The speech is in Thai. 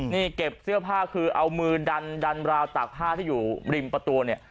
นี่เก็บเสื้อผ้าคือเอามือดันดันราวตากผ้าที่อยู่ริมประตูเนี่ย